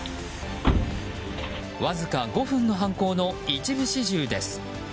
わずか５分の犯行の一部始終です。